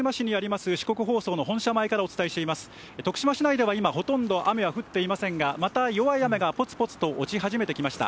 徳島市内では今、ほとんど雨は降っていませんが、また弱い雨がぽつぽつと落ち始めてきました。